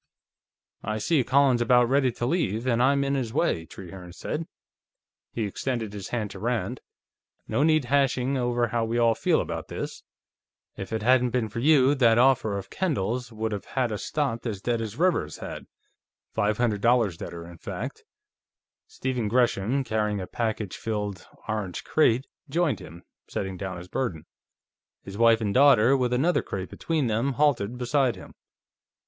"I see Colin's about ready to leave, and I'm in his way," Trehearne said. He extended his hand to Rand. "No need hashing over how we all feel about this. If it hadn't been for you, that offer of Kendall's would have had us stopped as dead as Rivers's had. Five hundred dollars deader, in fact." Stephen Gresham, carrying a package filled orange crate, joined him, setting down his burden. His wife and daughter, with another crate between them, halted beside him.